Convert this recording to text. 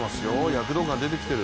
躍動感、出てきてる。